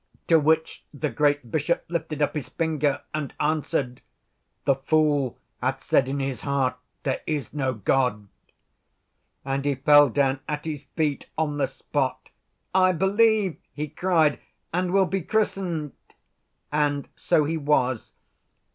To which the great bishop lifted up his finger and answered, 'The fool hath said in his heart there is no God.' And he fell down at his feet on the spot. 'I believe,' he cried, 'and will be christened.' And so he was.